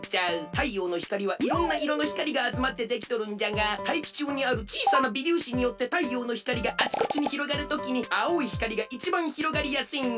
太陽の光はいろんないろの光があつまってできとるんじゃがたいきちゅうにあるちいさな微粒子によって太陽の光があちこちにひろがるときに青い光がいちばんひろがりやすいんよ。